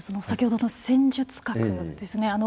先ほどの戦術核ですね